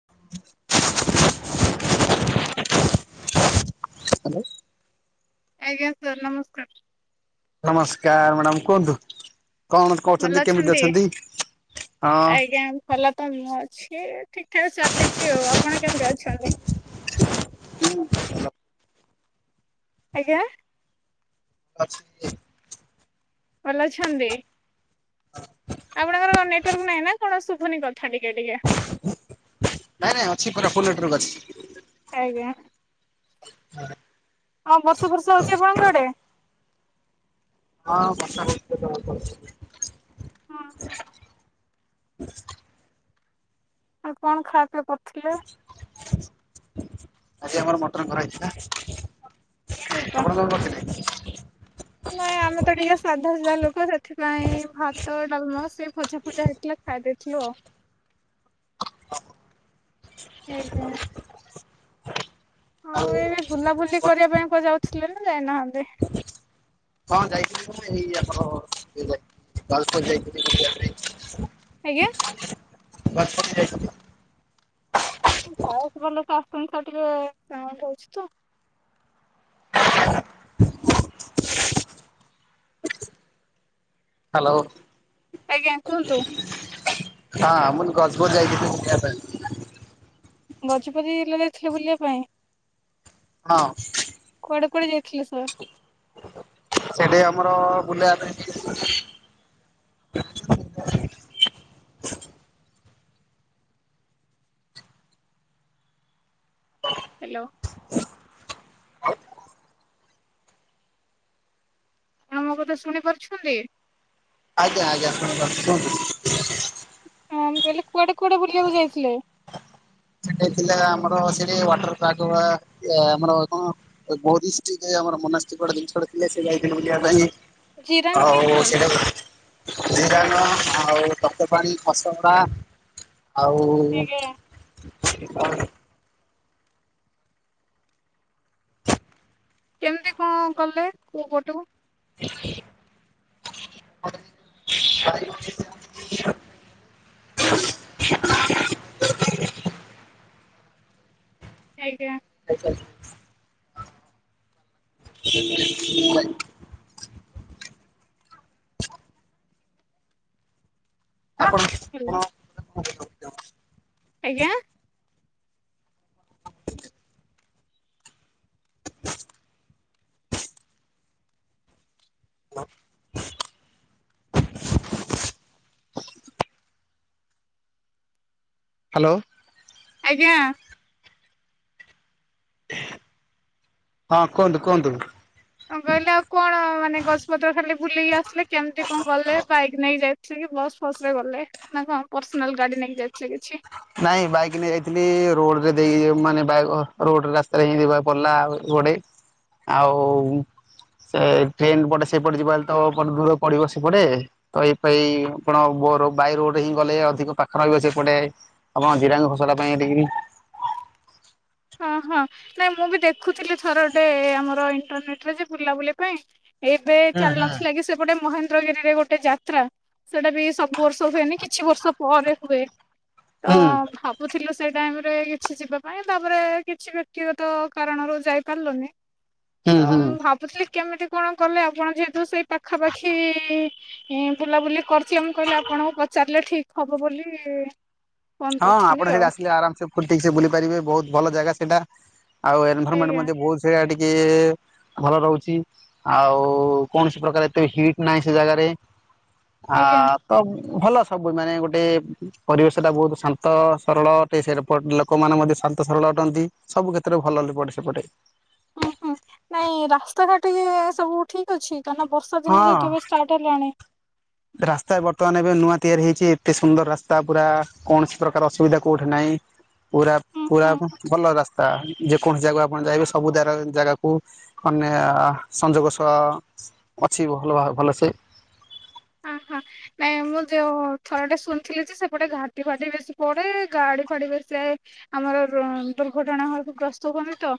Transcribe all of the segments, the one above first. [inaudible] Hello. ଆଜ୍ଞା sir ନମସ୍କାର। ନମସ୍କାର ମ୍ୟାଡ଼ାମ କୁହନ୍ତୁ? କଣ କହୁଛନ୍ତି କେମିତି ଅଛନ୍ତି? ହଁ। କେ ଠିକ୍ ଠାକ୍ ଚାଲିଛି, ଆଉ ଆପଣ କେମିତି ଅଛନ୍ତି। ହୁଁ। ଆଜ୍ଞା। [unintelligible] ଭଲ ଅଛନ୍ତି। ଆପଣଙ୍କର ନେଟୁର୍କ୍ ନାହିଁ ନା କଣ ଶୁଭୁନି କଥା ଟିକେ ଟିକେ। ନାଇଁ ନାଇଁ ଅଛି ପୁରା ଫୁଲ ନେଟୁର୍କ୍ ଅଛି। ଆଜ୍ଞା। ହଁ। ହଁ ବର୍ଷୁ ବର୍ଷୁ ଆପଣଙ୍କ ଆଡେ? ହଁ ବର୍ଷା ହେଲେ [unintelligible] ହଁ ହଁ। [unintelligible] ଆଉ କଣ ଖାତ୍ ଆଉ ପ ଥିଲା? ଆଜି ଆମର ମଟନ କରା ହେଇଛି ନାଁ। ଏଇବା ଆପଣ କ କରିଥିଲେ? ନାଇଁ ଆମେ ତ ଟିକେ ସାଧା ହଜାର ଲୋ ମୁଁ ସେଥିପାଇଁ ଭାତ ଡାଲମା ସେ ଭୋଜା ଫୁଜା ହେଇଥିଲେ ଖାଇ ଦେଇଥିଲି ଆଉ, ଏଇଟା ଆଉ ଏବେ ବୁଲାବୁଲି କରିବା ପାଇଁ ପ ଯାଉଥିଲେ ନା ଯାଇନାହାନ୍ତି? ହଁ ଯାଇଥିଲି ମୁ ଏଇ ଆପଣ [unintelligible] ଯାଉଥିଲି। ଆଜ୍ଞା। ୱାସରୁମ ଯାଇଥିଲି। ଆପଣକୁ ବୟସ୍ ଭଲ ସେ ଆସୁନି ତ ଆଉ ଟିକିଏ ସାଉଣ୍ଡ ହଉଛିତ ହାଲୋ। ଆଜ୍ଞା କୁହନ୍ତୁ। ହଁ ମୁଁ ଗଜବୁର ଯାଇଥିଲି କିଣିବା ପାଇଁ ଗଜପତି ଏଲା ଜାଇଥିଲେ ବୁଲିବା ପାଇଁ ହଁ। ଆଉ କୁଆଡେ କୁଆଡ଼େ ଯାଇଥିଲେ ସ ସେଠି ଆମର ବୁଲିବି ପାଇଁ କିଛି ହ୍ୟାଲୋ। ହଁ ମୋ କଥା ଶୁଣି ପାରୁଛନ୍ତି? ଆଜ୍ଞା ଆଜ୍ଞା ଶୁଣିପାରୁଛି ସୁଣୁଛି। ହଁ ମୁଁ କହିଲି କୁଆଡ଼େ କୁଆଡ଼େ ବୁଲିବାକୁ ଯାଇଥିଲେ? ସେଟା ଥିଲା ଆମର ସେଠି ୱାଟର ପାର୍କ ଗୁଳା ଏ ଆମର କଣ ବୌଦ୍ଧିଷ୍ଟ ଆମର ମନାଷ୍ଟି ଜିନିଷଟା ଥିଲା ସେ ଠିକ ଯାଇଥିଲି ବୁଲିବା ପାଇଁ ଜିରାଙ୍ଗ କି ଆଉ ସାର୍ ସେଟା [unintelligible] ଆଉ ତପ୍ତପାଣି ପାଣି ଖସଗୁଡା ଆଉ ଆଜ୍ଞା। [unintelligible] କେମିତି କଣ କଲେ କୋଉ ପଟୁ? ବିଲକ। [unintelligible] ଆଜ୍ଞା। ଆଜ୍ଛା। [inaudible] ହେଲୋ। ସତ ଆଜ୍ଞା। [inaudible] ହ୍ୟାଲୋ। ଆ [inaudible] କୁହନ୍ତୁ। କହିଲେ ଆଉ କଣ ମାନେ ଗଛପତ୍ର ଖାଲି ବୁଲିକି ଆସିଲେ କେମିତି କଣ ଗଲେ? ବାଇକ୍ ନେଇକି ଯାଇଥିଲେ। କି ବସ୍ ଫସ ରେ ଗଲେ, ନା କଣ ପର୍ସନାଲ ଗାଡି ନେଇକି ଯାଇଥିଲେ କିଛି ନାଇଁ ବାଇକ୍ ନେଇ ଯାଇଥିଲି ରୋଡ ଦେଇ ମାନେ ରୋଡ ରାସ୍ତାରେ ହି ଯିବାକୁ ପଡିଲା। ଏପଟେ ଆଉ ସେ ଟ୍ରେନ ପଟେ ସେପଟେ ଯିବା ତ ଦୂର ପଡିବ। ସେପଟେ ତ ଏଇପ ଆପଣ ବାଇ ରୋଡରେ ହିଁ ଗଲେ ଅଧିକ ପାଖ ରହିବ। ସେପଟେ ଆପଣ ଜିରାଙ୍ଗ [unintelligible] ପାଇଁ ହଁ ହଁ, ନାଇଁ ମୁଁ ବି ଦେଖୁଥିଲି ଥରଟେ ଆମର ଇଣ୍ଟରନେଟରେ ଯେ ବୁଲାବୁଲି ପାଇଁ ଏବେ ଚାଲି ନଥିଲା କି ସେପଟେ ମହେନ୍ଦ୍ର ମୁଦ୍ରଗିରିରେ ଗୋଟେ ଯାତ୍ରା ସେଟା ବି ସବୁ ବର୍ଷ ହୁଏନି କିଛି ବର୍ଷ ପରେ ହୁଏ। ତ ହୁଁ ଭାବୁଥିଲୁ। ସେଇ ଟାଇମରେ କିଛି ଯିବା ପାଇଁ। ତାପରେ କିଛି ବ୍ୟକ୍ତିଗତ କାରଣରୁ ଯାଇ ପାରିଲୁନି। ହୁଁ ତ ହୁଁ ଭାବୁଥିଲି। କେମିତି କଣ କଲେ ଆପଣ ଯେହେତୁ ସେଇ ପାଖାପାଖି ବୁଲାବୁଲି କରି। ମ କହିଲ ଆଣ ପଚାରିଲେ ଠିକ୍। ହବ ବୋଲି। ଫୋନ ହଁ, କରିଥିଲି ଆପଣ ସେଠି ଆଉ ଆିଲେ ଆରାମସ ସେିକ ସେ ବୁଲି ପାରିବେ ବହୁତ। ଭଲ ଜାଗା ସେଇଟା। ଆଉ ଆଜ୍ଞା ଏନଭରମେଣ୍ଟ ବହୁଆ। ଟଏ ଭଲ ରହୁଛି ଆଉ କୌଣସି ପ୍ରକାର ଏତେ ହିଟ୍ ନାହିଁ, ସେ ଜାଗାରେ। ଆ ଆଜ୍ଞା ତ। ଭଲ ସବୁ ମାନେ ଗୋଟେ ପରିବେଶ ଟା ବହୁତ। ଶାନ୍ତ ସରଳ ଅଟ ସେପଟ ଲୋକମାନେ ମଧ୍ୟ ଶାନ୍ତ ସରଳ ଅଟନ୍ତି ସବୁ କ୍ଷେତ୍ରରେ ଭଲପଟେ ସେପଟେ। ହୁଁ ହୁଁ, ନାଇଁ ରାସ୍ତାଘାଟ ଏ ସବୁ ଠିକ ଅଛି। କାହିଁକ ନା ବର୍ଷା ଦିନ ହଁ ଯେହେତୁବେ ଷ୍ଟାର୍ଟ ହେଲାଣି। ରାସ୍ତା ବର୍ତ୍ତମାନ ଏବେ ନୂଆ ତିଆରି ହେଇଛି ଏତେ ସୁନ୍ଦର ରାସ୍ତା ପୁରା କୌଣସି ପ୍ରକାର ଅସୁବିଧା କୋଉଠି ନାହିଁ ପୁରା ହୁଁ ପୁରା ହୁଁ ଭଲ ରାସ୍ତା ଯେକୌଣସି ଜାଗା ଆପଣ ଯାଇବେ ସବୁ ଜାଗାକୁ ମାନେ ସଂଯୋଗ ସହ ଅଛି। ଭଲ ଭଲସେ। ଆ ହଁ ନାଇଁ ମୁଁ ଯେଉଁ ଥରଟେ ଶୁଣିଥିଲି, ଯେ ସେପଟେ ଘାଟି ଫାଟି ବେଶି ପଡ଼େ ଗାଡ଼ି ଫାଡ଼ି ବେଶୀ ଯାଏ ଆମର ଦୁର୍ଘଟଣା ଘଳକୁ ଗ୍ରସ୍ତ ହୁଅନ୍ତି ତ,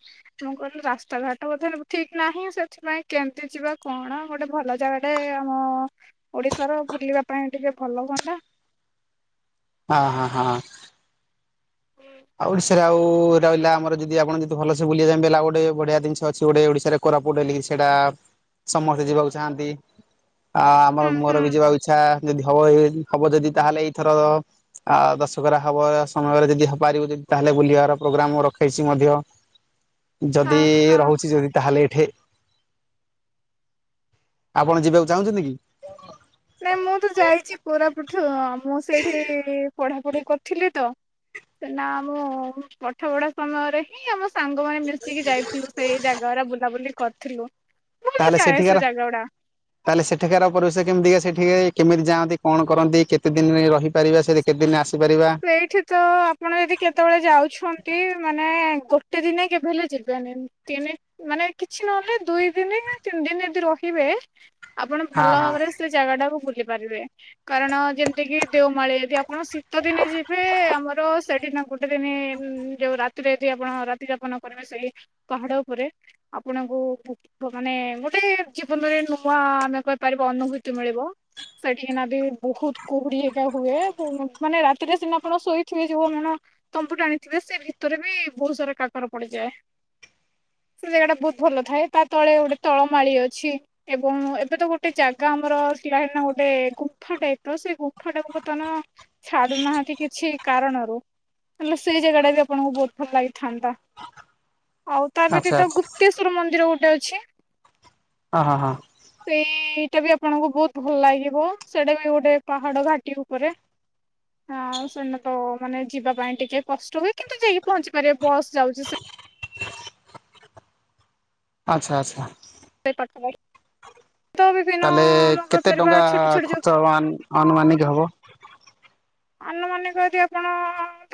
ମୁଁ କହିଲି ରାସ୍ତାଘାଟ କଧ ଠିକ ନାହିଁ ସେଥିପାଇଁ କେମିତି ଯିବା କଣ ଗୋଟେ ଭଲ ଜାଗାଟା ଆମ ଓଡିଶାର ବୁଲିବା ପାଇଁ ଟିକେ ଭଲ ହୁଅନ୍ତା। ହଁ ହଁ ହଁ। ଆଉ ଓଡିଶାରେ ଆଉ ରହିଲା ଆମର ଯଦି ଆପଣ ଯଦି ଭଲସେ ବୁଲିବା ହେଲା ଗୋଟେ ବଢିଆ ଜିନିଷ ଅଛି ଗୋଟେ ଓଡିଶାରେ କୋରାପୁଟ ବୋଲିକି ସେଟା ସମସ୍ତେ ଯିବାକୁ ଚାହାଁନ୍ତି ଆ ଆମର ହୁଁ ମୋର ହୁଁ ବି ଯିବାକୁ ଇଛା ଯଦି ହବ ହବ ଯଦି ତାହେଲେ ଏଇଥର ଆ ଦଶକରା ହବ ସମୟରେ ଯଦି ହବ ପାରିବୁ ଯଦି ତାହେଲେ ବୁଲିବାର ପ୍ରୋଗ୍ରାମ ରଖେଇଛି ମଧ୍ୟ। ଯଦି ହଁ ହଁ। ରହୁଛି ଯଦି ତାହେଲେ ଏ ଠେ। ଆପଣ ଯିବାକୁ ଚାହୁଁଛନ୍ତି କି? ନାଇଁ ମୁଁ ତ ଯାଇଛି କୋରାପୁଟ। ଠୁ ଅ ମୁଁ ସେଇଠି ପଢେ। ପଢା ପୁଢ଼ୀ କରିଥିଲି ତ ସେନା ଆମ ପଠ ପଢା ସମୟରେ ହିଁ ଆମ। ସାଙ୍ଗ ମାନେ ମିଶିକି ଯାଇଥିଲୁ ସେଇ ଜାଗାଗୁଡା ବୁଲାବୁଲି। କରିଥିଲୁ। ଭଲ ତାହେଲେ ଥାଏ ସେ ସେଠିକାର, ଜାଗାଗୁଡା। ତାହେଲେ ସେଠିକାର ପରିବେଶ କେମିତିକା ସେଠିକା କେମିତି ଯାଆନ୍ତି କଣ କରନ୍ତି କେତେ ଦିନରେ ରହିପାରିବା ସେ କେତେ ଦିନ ଆସି ସେଇଠି ତ ଆପଣ ଯଦି କେତେବେଳେ ଯାଉଛନ୍ତି ମାନେ ଗୋ ଗୋଟେ ଦିନେ କେବେ ହେଲେ ଯିବେନି ମାନେ କିଛି ନହେଲେ ଦୁଇ ଦିନ ନା ତିନି ଦିନ ଯଦି ରହିବେ। ଆପଣ ହଁ ଭଲ ହଁ ଭାବରେ ସେ ଜାଗା ଟାକୁ ବୁଲ ପାରିବେ କାରଣ ଯେମିତିକି ଦେଓମାଳୀ ଯଦି ଆପଣ। ଶୀତ ଦିନେ ଯିବେ ଆମର ସେଠି ନା ଗୋଟେ ଦିନେ ଯୋଉ ରାତିରେ ଯଦି ଆପଣ ରାତି ଯାପନ କରିବେ ସେଇ ପାହାଡ଼ ଉପରେ ଆପଣଙ୍କୁ ମାନେ ଗୋଟେ ଜୀବନରେ ନୂଆ ଆମେ କହିପାରିବା ଅନୁଭୂତି ମିଳିବ ସେଠିକିନାବି ବହୁତ କୁହୁଡି ହେରିକା ବି ହୁଏ। ମାନେ ରାତିରେ ସିନା ଆପଣ ଶୋଇଥିବେ ଯୋଉ ଆାନ ତମ୍ବୁ ଟା ଆଣିଥିବେ ସେ ଭିତରେ ବି ବହୁତ ସାରା କାକର ପଡିଯାଏ ସେ ଜାଗା ଟା ବହୁତ ଭଲ ଥାଏ ତା ତଳେ ଗୋଟେ ତଳମାଳି ଅଛି ଏବଂ ଏବେ ତ ଗୋଟେ ଜାଗା ଆମର ହେନା ଗୋଟେ ଗୁମ୍ଫା ଟାଇପ ର ସେ ଗୁମ୍ଫା ଟାକୁ ବର୍ତ୍ତମାନ ଛାଡୁନାହାନ୍ତି କିଛି କାରଣରୁ ହେଲେ ସେଇ ଜାଗା ଟା ବି ଆପଣଙ୍କୁ ବହୁତ ଭଲ ଲାଗିଥାନ୍ତା। ଆଉ ତା ଆଚ୍ଛା ବ୍ୟତୀତ ଆଚ୍ଛା ଗୁପ୍ତେଶ୍ୱରମନ୍ଦିର ଗୋଟେ। ଅଛି। ସେ। ହଁ ହଁ ସେଟା ବି ଆପଣଙ୍କୁ ବହୁତ ଭଲ ଲାଗିବ। ସେଟା ବି ଗୋଟେ ପାହାଡ ଘାଟି ଉପରେ। ହଁ ସେନ ତ ମାନେ ଯିବା ପାଇଁ ଟିକେ କଷ୍ଟ ହୁଏ। କିନ୍ତୁ ଯାଇକି ପହଞ୍ଚି ପାରିବେ ବସ୍ ଯାଉଛି। ଆଚ୍ଛା ଆଚ୍ଛା। ସେ ପା ଖବ [inaudible] ତାହେଲେ କେତେ ଟଙ୍କା ଛୋଟ ଯୋଉ ଖର୍ଚ୍ଚ ହବ ଆନୁମାନିକ ହବ। ଆନୁମାନିକ ଯଦି ଆପଣ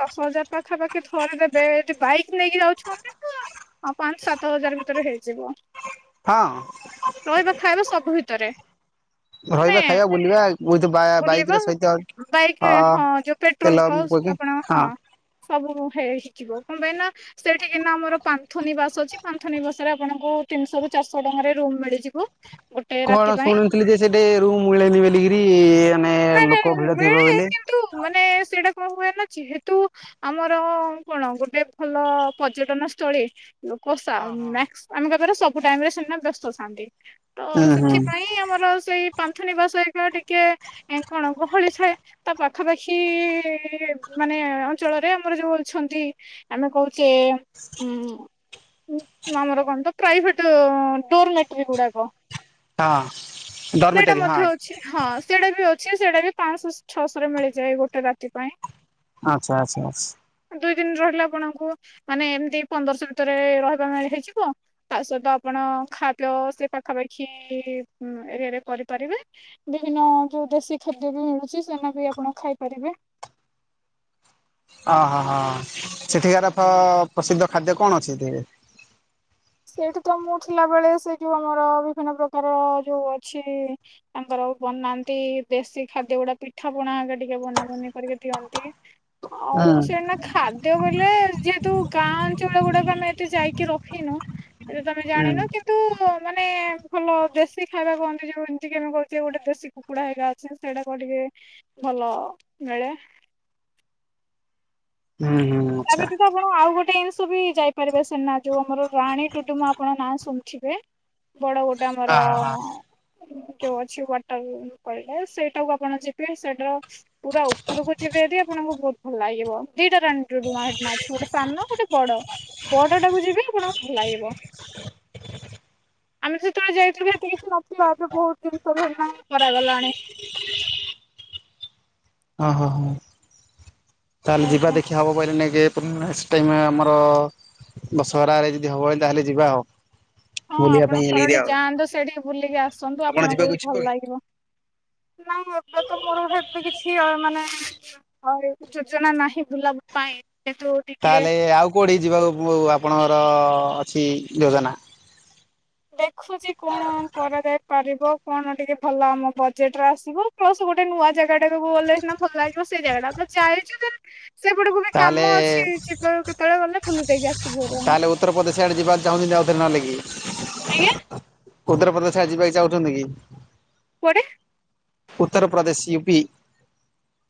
ଦଶ ହଜାର ପାଖାପାଖି ଥରେ ଦେବେ। ଯଦି ବାଇକ୍ ନେଇକି ଯାଉଛନ୍ତି ତ ପାଞ୍ଚ ସାତ ହଜାର ଭିତରେ ହେଇଯିବ। ହଁ ରହିବା ଖାଇବା ସବୁ ଭିତରେ। ମାନେ ରହିବା ଖାଇବା ବୁଲିବା ବ ବୁଲିବା ବାଇକରେ ସହିତ ବାଇକ୍ ଅ ହଁ ଯୋଉ ତେଲ ପେଟ୍ରୋଲ କଷ୍ଟ ପକେଇକି ଆପଣଙ୍କ ହଁ ସବୁ ହେଇ [inaudible] ିବ [inaudible] କଣ ପାଇଁ ନା ସେଠିିକିନା ଆମର ପାନ୍ଥନିବାସ ଅଛି ପାନ୍ଥନନିବାସ ରେ ଆପଣଙ୍କୁ ତିନିଶହ ରୁ ଚାରିଶହ ଟଙ୍କାରେ ରୁମ ମିଳିଯିବ। ଗୋଟେ ରାତି କଣ ପାଇଁ ଶୁଣୁଥିଲି ଯେ ସେଠି ରୁମ୍ ମିଳେନି ବୋଲିକରି। ମାନେ ବେଳେ କିନ୍ତୁ ମାନେ ସେଟା କଣ ହୁଏନ ଯେହେତୁ ଆମର କଣ ଗୋଟେ ଭଲ ପର୍ଯ୍ୟଟନ ସ୍ଥଳୀ। ଲୋକ ସା- ହଁ ହଁ। ଆମେ କହିପାରିବା ସବୁ ଟାଇମ ରେ ସେ ବ୍ୟସ୍ତ ଶାନ୍ତି। ତ ହୁଁ ହୁଁ ସେଥିପାଇଁ ଆମର ସେଇ ପାନ୍ଥୁ ନିବାସୋଇବା ଟିକେ ଏ କଣ ଗହଳି ଥାଏ ତା ପାଖାପାଖି ମାନେ ଅଞ୍ଚଳରେ ଆମର ଯୋଉ ଅଛନ୍ତି, ଆମେ କହୁଛେ ଉ ଆମର କଣ ତ ପ୍ରାଇଭେଟ ଡୋରମେଟ ଗୁଡାକ। ହଁ ସେଇଟା ଡର୍ମିଟେରୀ ମଧ୍ୟ ହଁ ଅଛି ହଁ ସେଟା ବି ଅଛି। ଅଛି ସେଇଟା ବି ପାଞ୍ଚଶହ ଛଅଶହରେ ମିଳିଯାଏ ଗୋଟେ ରାତି ପାଇଁ। ଆଚ୍ଛା ଆଚ୍ଛା ଆଛା। ଦୁଇ ଦିନ ରହିଲେ ଆପଣଙ୍କୁ ମାନେ ଏମତି ପନ୍ଦରଶହ ଭିତରେ ରହିବା ପାଇଁ ହେଇଯିବ। ତା ସହିତ ଆପଣ ଖାଦ୍ୟ ସେ ପାଖାପାଖି ଏରିଆରେ କରିପାରିବେ ବିଭିନ୍ନ ଯୋଉ ଦେଶୀ ଖାଦ୍ୟ ବି ମିଳୁଛି ସେନା ବି ଆପଣ ଖାଇପାରିବେ। ହଁ ହଁ ସେଠିକାର ଫ-ପ୍ରସିଦ୍ଧ ଖାଦ୍ୟ କଣ ଅଛି? ସେଇଠି ତ ମୁଁ ଥିଲା ବଳେ ସେ ଯୋଉ ଆମର ବିଭିନ୍ନ ପ୍ରକାର ଯୋଉ ଅଛି ତାଙ୍କର ବନାନ୍ତି ଦେଶୀ ଖାଦ୍ୟ ଗୁଡା ପିଠା ପଣା ଟିକେ ବନାବନି କରିକି ଦିଅନ୍ତି। ହୁଁ ଆଉ ସେନା ଖାଦ୍ୟ ବଲେ ଯେହେତୁ ଗାଁ ଅଞ୍ଚଳ ଗୁଡାକ ଆମେ ଏତେ ଯାଇକି ରହିନୁ। ଏବେ ତମେ ହୁଁ ଜାଣିନ କିନ୍ତୁ ମାନେ ଭଲ ଦେଶୀ ଖାଇବା କୁହନ୍ତି ଯୋଉ ଏମିତି କି ଆମେ କହୁଛ ଗୋଟେ ଦେଶୀ କୁକୁଡା ହେଇଗା ଅଛି ସେଇଟା କ ଟିକେ ଭଲ ମିଳେ। ହୁଁ ହୁଁ ତା ଆଚ୍ଛା ବ୍ୟତୀତ ଆପଣ ଆଉ ଗୋଟେ ଜିନିଷ ବି ଯାଇପାରିବେ ସିନା ଯୋଉ ଆମର ରାଣୀ ଟୁଡୁମା ଆପଣଙ୍କ ନାଁ ଶୁଣିିବେ। ବଡ ଗୋଟେ ହ ଆମର ଯଉ ଅଛି ୱାଟର ସେଇଟାକୁ ଆପଣ ଯିବେ ସେଇଟାର ପୁରା ଉପରକୁ ଯିବେ ଯଦି ଆପଣଙ୍କୁ ବହୁତ ଭଲ ଲାଗିବ ଦିଟା ରା ରୂଆ ଅଛି ଗୋଟେ ସାନ ଗୋଟେ ବଡ ବଡ ଟାକୁ ଯିବେ ଆପଣ ଭଲ ଲାଗିବ। ଆମେ ସେତେବେଳେ ଯାଇଥିଲୁ ଏତେ କିଛି ନଥିଲା ଏବେ ବହୁତ ଜିନିଷ ତର [inaudible] କରାଗଲାଣି। ହଁ ହଁ ହଁ। ଚାଲଯିବା ଆଜ୍ଞା ଦେଖିଆ ହେବ ବୋଇଲେ ନେଇକି। ନେକ୍ସଟ୍ ଟାଇମ୍ ଆମର ଦଶହରାରେ ଯଦି ହବ ହେନ୍ତା ତାହେଲେ ଯିବା ଆଉ। ହଁ ବୁଲିବା ଆପଣ ପାଇଁ ଏଲିରି ଥରଟେ ଆଉ। ଯାଆନ୍ତୁ ସେଠିକି ବୁଲିକି ଆସନ୍ତୁ ଆପଣ ଆପଣଙ୍କୁ ଯିବାକୁ ବି ଇଚ୍ଛୁକ ଭଲ କି? ଲାଗିବ। ନା ଏବେ ତ ମୋର ଏତ କିଛି ମାନେ ଯୋଜନା ନାହିଁ ବୁଲାବା ପାଇଁ। କିନ୍ତୁ ଟିକେ ତାହେଲେ ଆଉ କୋଉଠି ଯିବାକୁ ଆପଣଙ୍କର ଅଛି ଯୋଜନା। ଦେଖ ଦେଖୁଛି କଣ କରାଯାଏ। ପାରିବ କଣ ଟିକେ ଭଲ ଆମ ବଜେଟରେ ଆସିବ ପ୍ଲସ ଗୋଟେ ନୂଆ ଜାଗା ଟା ଗଲେ ସିନା ଭଲ ଲାଗିବ ସେଇ ଜାଗା ଟା ତ ଯାଇଛୁ। ସେପଟେକୁ ବି ତାହେଲେ କାମ ଅଛି ଯିବା କେତେବେଳେ ଗଲେ ବୁଲି ଦେଇକି ଆସିବୁ ଭାରି ଆମେ। ହୁଁ। [inaudible] ଆଜ୍ଞା। ଉତ୍ତରପ୍ରଦେଶରେ ଯିବାକୁ ପାଇଁ ଚାହୁଁଛନ୍ତି କି? କୁଆଡେ? ଉତ୍ତରପ୍ରଦେଶ ୟୁ ପ୍ ପି,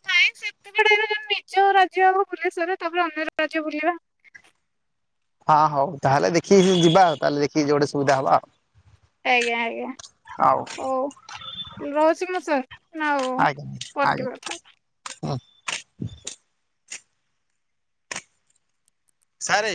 ନାଇଁ ସେମିତି [unintelligible] ନିଜ ରାଜ୍ୟ ବୁଲି ସାରେ। ତାପରେ ଅନ୍ୟ ରାଜ୍ୟ ବୁଲିବା। ହଁ ହଉ ତାହେଲେ ଦେଖିକି ଯିବା ଆଉ। ତାହେଲେ ଦେଖିକି ଯଉଠି ସୁବିଧା ହବ ଆଉ। ଆଜ୍ଞା ଆଜ୍ଞା। ହଉ ହଉ ରହୁଛି ମୁଁ ସାର୍। ନା ଆଉ ପରେ ଟିକେ କଥା ହେବା। ଅଁ, ସାରେ,